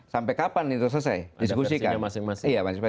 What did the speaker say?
sampai kapan itu selesai